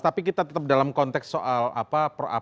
tapi kita tetap dalam konteks soal apa